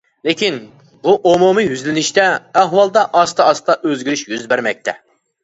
لېكىن بۇ ئومۇمىي يۈزلىنىشتە، ئەھۋالدا ئاستا-ئاستا ئۆزگىرىش يۈز بەرمەكتە.